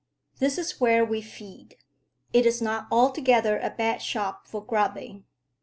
This is where we feed. It is not altogether a bad shop for grubbing."